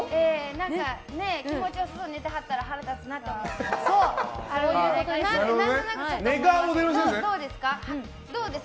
何かね気持ち良さそうに寝てはったら腹立つなと思います。